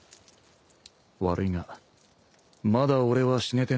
悪いがまだ俺は死ねてねえ。